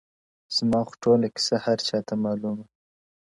زما خو ټوله كيسه هر چاته معلومه ـ